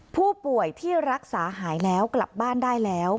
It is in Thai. ผู้ป่วยที่รักษาหายแล้วกลับบ้านได้แล้ว